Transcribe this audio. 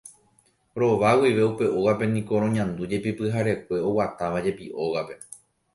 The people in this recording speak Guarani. Rova guive upe ógape niko roñandújepi pyharekue oguatávajepi ógape.